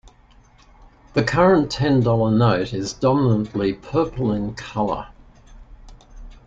The current ten-dollar note is dominantly purple in colour.